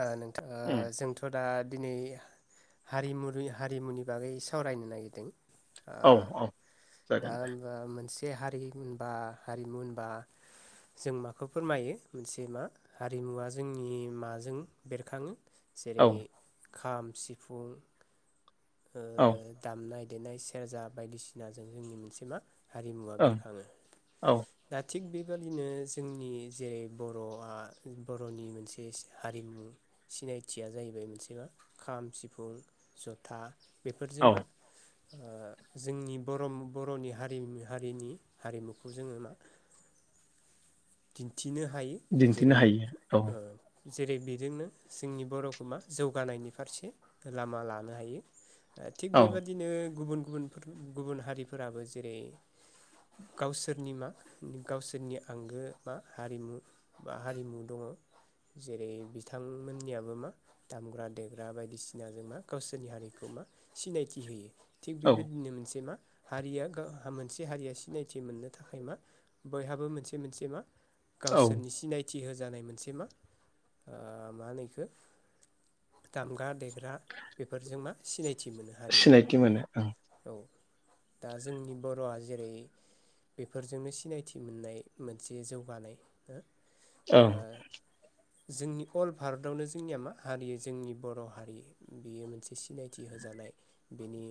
ओ नोंथा उम जों थ' दा दिनै हारिमु हारिमुनि बागै सावरायनो नागिरदों आ औ औ दा जागोन दे होनबा मोनसे हारि होनबा हारिमु होनबा जों माखौ फोरमायो मोनसे मा हारिमुवा जोंनि मा जों बेरखाङो औ जेरै खाम सिफुं ओ औ दामनाय देनाय सेरजा बायदिसिनाजों जोंनि मोनसे मा हारिमुवा ओं बेरखाङो औ दा थिग बेबादिनो जोंनि जेरै बर'आ बर'नि मोनसे हारिमु सिनायथिया जाहैबाय मोनसे मा खाम सिफुं जथा औ बेफोरजों मा ओ जोंनि बर' बर'नि हारि हारिनि हारिमुखौ जोङो मा दिनथिनो हायो दिन्थिनो जेरै हायो औ ओ जेरै बेजोंनो जोंनि बर'खौ मा जौगानायनि फारसे लामा लानो हायो ओ थिग औ बेबादिनो गुबुन गुबुनफोर गुबुन हारिफोराबो जेरै गावसोरनि मा गावसोरनि आंगो बा हारिमु बा हारिमु दङ जेरै बिथांमोननियाबो मा दामग्रा देग्रा बायदिसिना जों मा गावसोरनि हारिखौ मा सिनायथि होयो थिग औ बेबायदिनो मोनसे मा हारिया गावहा मोनसे हारिया सिनायथि मोननो थाखाय मा बयहाबो मोनसे मोनसे मा औ गावसोरनि सिनायथि होजानाय मोनसे मा मा होनो इखो दामग्रा देग्रा बे फोरजों मा सिनायथि मोनो हारिया सिनायथि मोनो ओं औ दा जोंनि बर'आ जेरै बेफोरजोंनो सिनायथि मोननाय मोनसे जौगानाय हो आ ओं जोंनि अल भारतआवनो जोंनिया मा हारि जोंनि बर' हारि बेयो मोनसे सिनायथि होजानाय बेनि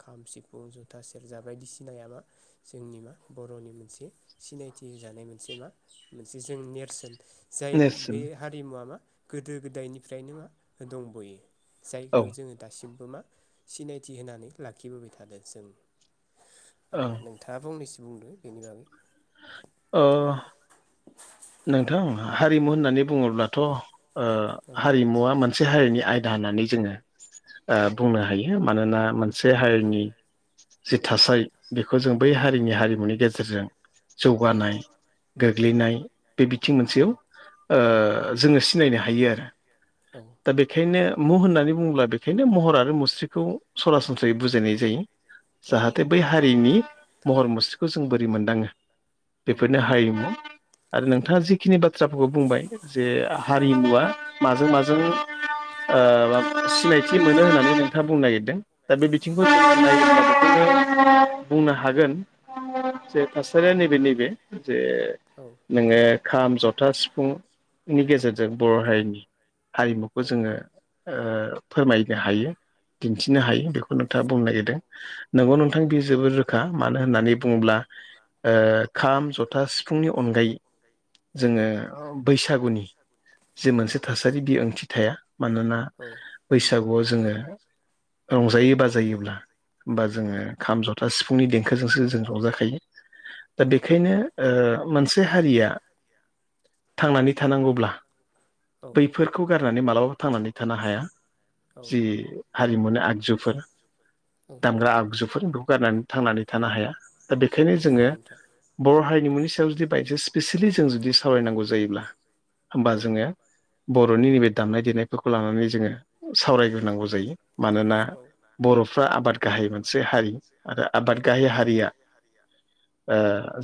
खाम सिफुं जथा सेरजा बायदिसिनाया मा जोंनि मा बर'नि मोनसे सिनायथि जानाय मोनसे मा मोनसे जों नेरसोन जाय नेरसोन बे हारिमुवा मा गोदो गोदायनिफ्रायनो मा दंबयो औ जायखौ जोङो दासिमबो मा सिनायथि होनानै लाखिबोबाय थादों जों आ ओं -थाङा फंनैसो बुंदो बेनि बागै अ नोंथां हारिमु होननानै बुङोब्लाथ' ओ औ हारिमुवा मोन मोनसे हारिनि आयदा होननानै जोङो औ बुंनो हायो मानोना मोनसे हारिनि जि थासारि बेखौ जों बै हारिनि हारिमुनि गेजेरजों जौगानाय गोग्लैनाय बे बिथिं मोनसेयाव जोङो सिनायनो हायो आरो दा बेखायनो मु होननानै बुङोब्ला बेखायनो महर आरो मुस्रिखौ सरासनस्रायै बुजायनाय जायो [inaudible] जाहाथे बै हारिनि महर मुस्रिखौ जों बोरै मोनदाङो बेफोरनो हारिमु आरो नोंथाङा जिखिनि बाथ्राफोरखौ बुंबाय जे हारिमुवा माजों माजों आ सिनायथि मोनो होननानै नोंथाङा बुंनो नागिरदों दा बे बिथिंखौ बुंनो हागोन जे थासारिया नैबे नैबे जे नोङो खाम जथा सिफुंनि गेजेरजों बर' हारिनि हारिमुखौ जोङो फोरमायनो हायो दिन्थिनो हायो बेखौ नोंथाङा बुंनो नागिरदों नोंगौ नंगौ नोंथां बि जोबोद रोखा मानो होननानै बुङोब्ला खाम जथा सिफुंनि अनगायै औ जोङो बैसागुनि जि औ मोनसे थासारि बे ओंथि थाया मानोना औ बैसागुआव जोङो रंजायो बाजायोब्ला होमा जोङो खाम जथा दा सिफुंनि देंखोजोंसो जों रंजाखायो दा औ बेखायनो मोनसे हारिया थांनानै थानांगौब्ला औ नोंथां बैफोर गारनानै मालाबाबो थांनानै थानो हाया औ जि हारिमुनि आगजुफोर औ दामग्रा आगजुफोर बेखौ गारनानै थांनानै थानो हाया दा बेखायनो जोङो नोंथां बर' हारिनिमुनि सायाव जुदि बायस स्पेसियेलि जों जुदि सावरायनांगौ जायोब्ला होमबा जोङो बर'नि नैबे दामनाय देनायफोरखौ लानानै जोङो सावरायग्रोनांगौ जायो मानोना बर'फ्रा आबाद गाहाय मोनसे हारि आरो आबाद गाहाय हारिया गैया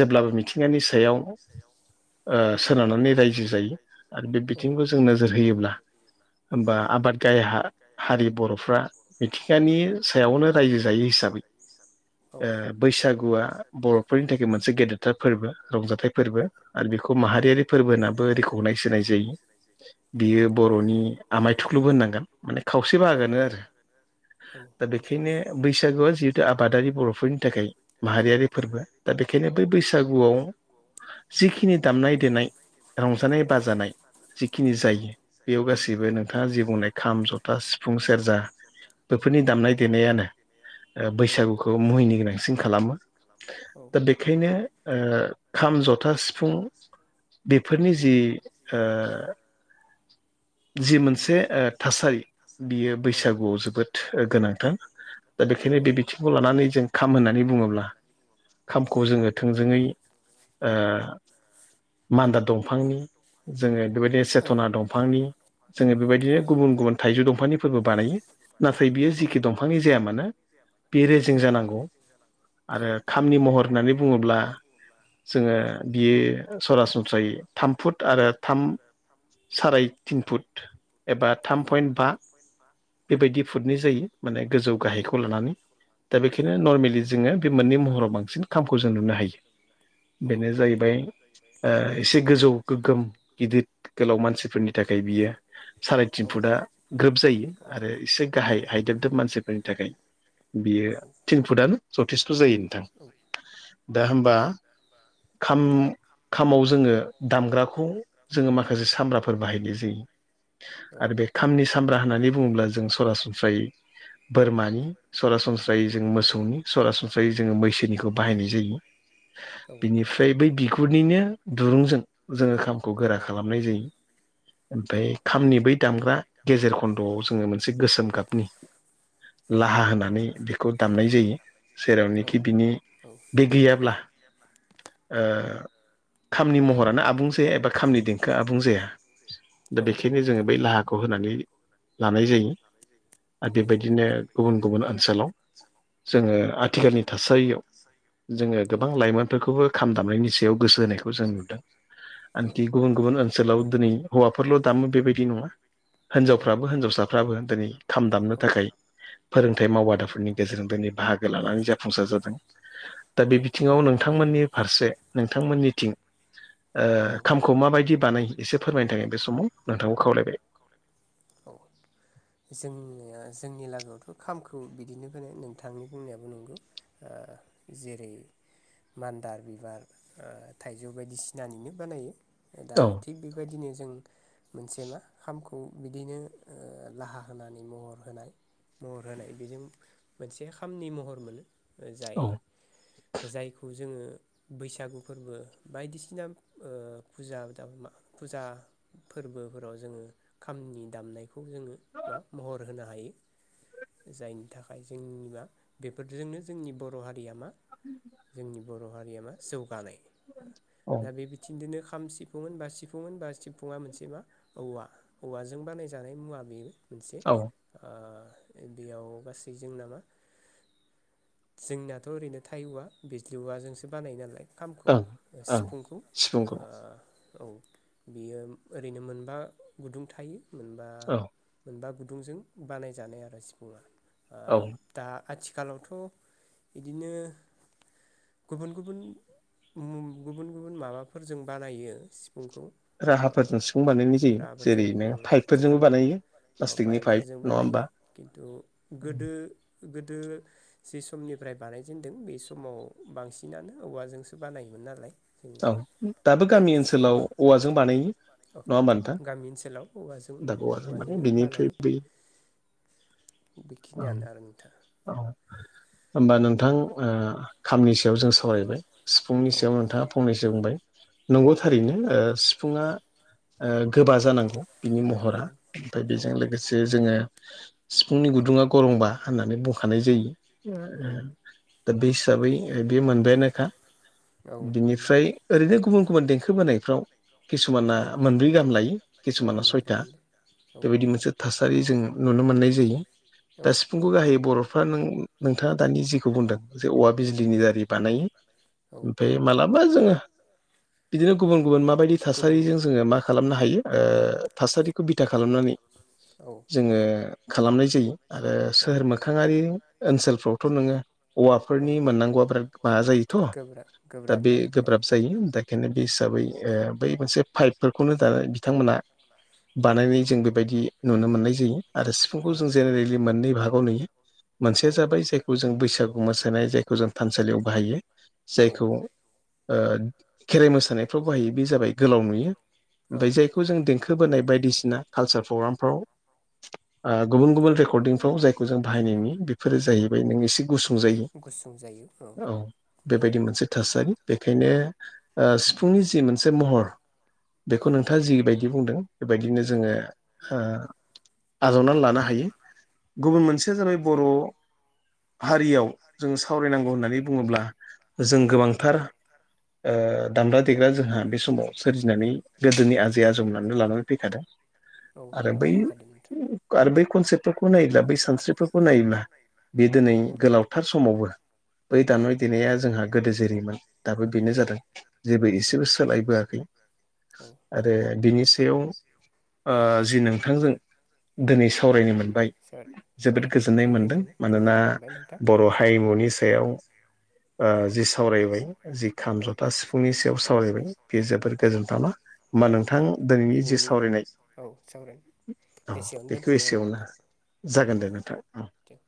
जेब्लाबो मिथिंगानि सायाव सोनारनानै रायजो जायो आरो बे बिथिंखौ जों नोजोर होयोब्ला होमबा औ आबाद गाय हारि बर'फ्रा मिथिंगानि सायावनो रायजो जायो हिसाबै औ औ बैसागुआ बर'फोरनि थाखाय मोनसे गेदेरथार फोरबो रंजाथाइ फोर फोर आरो बेखौ औ माहारियारि फोरबो होनाबो रिखखौनायस होनाय जायो जायो औ बियो बर'नि आमाय थुख्लुबो होननांगोन माने खावसे औ बाहागानो आरो औ औ नोंथां बैसागोआ जिहेतु आबादारि बर'फोरनि थाखाय माहारियारि फोरबो दा बेखायनो बै बैसागुआव जिखिनि दामनाय देनाय रंजानाय बाजानाय जिखिनि जायो बेयाव गासैबो नोंथाङा जि बुंनाय खाम जथा सिफुं सेरजा बेफोरनि दामनाय देनायानो औ बैसागुखौ मुहिनि गोनांसिन खालामो। औ दा बेखायनो खाम जथा सिफुं बेफोरनि जि मोनसे मोनसे थासारि बियो औ बैसागुआव जोबोद गोनांथार। दा बेखायनो औ बे बिथिंखौ लानानै जों खाम होननानै बुङोब्ला खामखौ जोङो थोंजोङै ओ मान्दार दंफांनि जोङो बेबायदि औ सेथना दंफांनि जोङो बेबायदिनो औ गुबुन गुबुन थाइजौ दंफांनि फोरबो बानायो नाथाय बियो औ जिखि दंफांनि जाया मानो बे रेजें औ जानांगौ आरो खामानि महर होननानै बुङोब्ला अब्ला जोङो बियो सरासनस्रायै थाम फुट आरो थाम साराय तिन फुट एबा थाम औ पइन्ट बा बेबायदि फुडनि जायो माने गोजौ गाहायखौ लानानै। दा बेखायनो नर्मेलि जोङो बे मोननै महराव बांसिन खामखौ जों नुनो हायो। बेनो जाहैबाय एसे गोजौ गोगोम गिदिर गोलाव मानसिफोरनि थाखाय बियो साराय तिन फुटआ ग्रोब जायो आरो एसे गाहाय हायदोबदोब मानसिफोरनि थाखाय। थिन बियो फुटआ थिन फुटनो जथेस्थ' जायो नोंथां दा नोंथां होमबा खाम खामाव जोङो दामग्राखौ जोङो माखासे सामब्राफोर बाहायनाय जायो औ आरो बे खामनि सामब्रा होननानै बुङोब्ला जों सरासनस्रायै बोरमानि सरासनस्रायै जों मोसौनि सरासनस्रायै जोङो मैसोनिखौ बाहायनाय जायो। बिनिफ्राय बै बिगुरनिनो दुरुंजों जोङो खामखौ गोरा औ खालामनाय जायो ओमफ्राय जायो खामनि बै दामग्रा गेजेर खन्द'आव जोङो मोनसे गोसोम गाबनि औ लाहा होनानै खौ दामनाय जायो औ जेरावनोखि बिनि बे नोंथां नंगौ गैयाब्ला खामनि महरानो आबुं जाया एबा खामनि देंखोआ आबुं जाया। दा औ बेखायनो जोङो नोंथां बै नंगौ लाहा खौ होनानै लानाय जायो आरो औ बेबायदिनो गुबुन गुबुन ओनसोलाव जोङो आथिखालनि थासारियाव जोङो औ गोबां लाइमोनफोरखौबो खाम दामनायनि सायाव गोसो होनायखौ जों नुदों। आानखि गुबुन गुबुन ओनसोलाव दिनै हौवाफोरल' दामो बेबायदि नङा। हिनजावफ्राबो हिनजावसाफ्राबो दिनै खाम दामनो औ थाखाय फोरोंथाइ मावबादाफोरनि गेजेरजों दिनै बाहागो लानानै जाफुंसार जादों दा बे थङाव नोंथांमोननि फारसे नोंथांमोननि थिं ओ खामखौ माबायदि बानाय एसे फोरमायनो थाङो बे समाव नोंथांखौ खावलायबाय। जोंनि जोंनि लागोआवथ' खामखौ बिदिनो होनो नोंथांनि बुंनायाबो नंगौ। ओ जेरै ओ मान्दार बिबार थाइजौ बायदिसिनानिनो बानायो। दा औ थिग बेबायदिनो जों मोनसे मा खामखौ बिदिनो ओ लाहा होनानै महर होनाय महर होनाय बेजों मोनसे खामनि महर मोनो। जाय औ जायखौ जोङो बैसागु फोरबो बायदिसिना ओ फुजा फुजा फोरबोफोराव जोङो खामनि दामनायखौ जोङो मा महर होनो हायो। जायनि थाखाय जोंनि मा बेफोरजोंनो जोंनि बर' हारिया मा? जोंनि बर' हारिया मा जौगानाय औ दा बे थनन्दनो खाम सिफुंमोन बा सिफुंमोन बा सिबफुङा मोनसे मा औवा। हौवाजों बानायजानाय मुवा बे मोनसे औ बेयाव गासै जों नामा। जोंनायाथ' ओरैनो थाइ औवा बिजलि औवाजोंसो बानाय नालाय खामखौ ओं ओं सिफुंखौ सिफुंखौ औ बियो ओरैनो मोनबा गुदुं थायो मोनबा औ मोनबा गुदुंजों बानायजानाय आरो सिफुङा औ दा आथिखालावथ' बिदिनो गुबुन गुबुन गुबुन गुबुन माबाफोरजों बानायो सिफुंखौ राहाफोरजों सिफुं बानायनाय जायो राहाफोरजों जेरैनो पाइपफोरजोंबो आथिखालाव बानायो प्लास्टिकनि पाइप पाइपफोरजों नङा बानायो होमबा खिन्थु गोदो गोदो ज समनिफ्राय बानायजेनदों बे समाव बांसिनानो औवाजोंसो बानायोमोन नालाय जोंना औ दाबो गामि ओनसोलाव खिथिफुङा औवाजों औ बानायो औ नङा होमबा नोंथां गामि ओनसोलाव दाबो औवाजों औ बेनिफ्राय बै औ बेखिनियानो आरो नोंथां। औ। होमबा नोंथां खामनि सायाव जों सावरायबाय सिफुंनि औ सायाव नोंथाङा फंनैसो बुंबाय औ नंगौ थारैनो सिफुङा गोबा जानांगौ बिनि औ महरा ओमफ्राय बेजों लोगोसे सो जोङो सिफुंनि गुदुङा गरमबा होननानै बुंखानाय औ जायो। औ दा बे हिसाबै बे मोनबायानोखा औ। ओमफ्राय ओरैनो गुबुन गुबुन देंखो बोनायफ्राव किसुमाना औ मोनब्रै औ गाहाम लायो औ किसुमाना मोनब्रै सयथा मोनोनब्रै औ बेबायदि मोनथार मोनसे थासारि जों नुनो मोननाय जायो दा औ सुंखौु गाहाय बर'फ्रा नों नोंथाङा दानि जिखौ बुंदों जे औवा बिजीनि दार औ औ लानानै मालाबा जोङो बिदिनो गुबुन गुबुन माबायदि थासारिजों जोङो मा खालामनो हायो थासारिखौ बिथा खालामनानै हायो ओ थासारिखौ बिथा खालामनानै ओ जोङो खालामनाय जायो आरो सोहोर मोखाङारि ओनसोलफ्रावथ' नोङो औवाफोरनि मोननांगौआ बिराद माबा जायोथ' गोरा गो दा बे गोब्राब जायो दा बेखायनो बे हिसाबै बै मोनसे पाइपफोरखौनो दानानै बिथांमोना औ बानायनाय जों बेबायदि नुनो मोननाय जायो आरो सिफुंखौ औ जों जेनेरेलि मोननै भागाव नुयो। मोनसेया नुयो जाबाय जायखौ जों बैसागु मोसानाय जायखौ जों थानसालियाव बाहायो बाहायो जायखौ खेराइ मोसानायफ्राव बाहायो बे जाबाय गोलाव नुयो औ ओमाय जाय खौ जों देंखो बोनाय बायदिसिना कालसार प्रग्रामफ्राव गुबुन गुबुन रेकर्डिंफ्राव जायखौ जों बाहायनाय नुयो बेफोरो जाहैबाय नों एसे गुसुं जायो गुसुं जायो औ। बेबायदि मोनसे थासारि बेखायनो सिफुंनि जि मोनसे महर औ बेखौ नोंथाङा जिबायदि बुंदों बेबायदिनो जोङो आजावनानै लानो हायो आ गुबुन मोनसेया जाबाय बर' हारियाव जोङो सावरायनांगौ होननानै बुङोब्ला आरो औ जों गोबांथार दामग्रा देग्रा जोंहा बे समाव सोरजिनानै गोदोनि आजै आजमनानै लानानै फैखादों। औ आरो बै लाना फैखादों नोंथां। आरो बै कनसेप्टफोरखौ नायोब्ला बै सानस्रिफोरखौ नायोब्ला बे दिनै औ गोलावथार समावबो बै औ दामनाय देनाया जोंहा गोदो जेरैमोन दाबो बेनो जादों। जेबो एसेबो सोलायबोआखै औ आरो बिनि सायाव जि नोंथांजों दिनै सावरायनो मोनबाय सोर औ जोबोद गोजोननाय मोनदों बेखिनियावनो मानोना गोजोननाय मोनबाय नोंथां बर' औ हारिमुनि सायाव ओ जि सावरायबाय जि खाम ज'था सिफुं सिफुंनि औ सायाव सावरायबाय बेयो जोबोर गोजोनथावना होमबा नोंथां दिनैनि जि सावरायनाय औ सावरायनो औ एसेयावनो बेखौ दोनथ'नाय जाबाय एसेआवनो नोंथां औ जागोन दे नोंथां औ दे